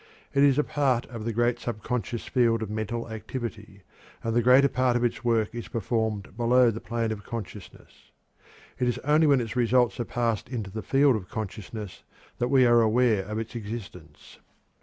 It is a part of the great subconscious field of mental activity, and the greater part of its work is performed below the plane of consciousness. It is only when its results are passed into the field of consciousness that we are aware of its existence.